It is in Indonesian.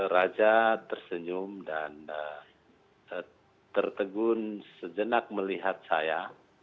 raja tersenyum dan tertegun sejenak melihat saya